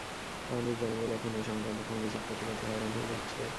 আমাদের জনবল এখন এ-সংক্রান্ত ফোন রিসিভ করতে করতে হয়রান হয়ে যাচ্ছে।